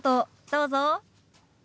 どうぞ。